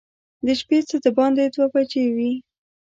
د شپې څه باندې دوه بجې وې.